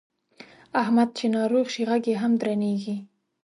احمد چې ناروغ شي غږ یې هم درنېږي.